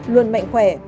luôn mạnh khỏe